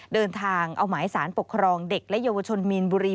เดินทางเอาหมายสารปกครองเด็กและเยาวชนมีนบุรี